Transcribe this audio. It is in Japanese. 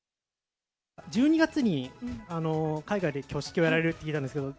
１２月に海外で挙式をやられるって聞いたんですけど。